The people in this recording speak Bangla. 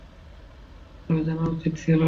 তবে জানা উচিত ছিল।